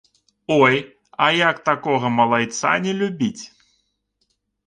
Ой, а як такога малайца не любіць?